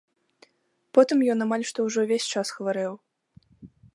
Потым ён амаль што ўжо ўвесь час хварэў.